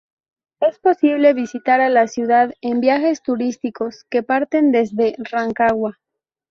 Es posible visitar la ciudad en viajes turísticos que parten desde Rancagua.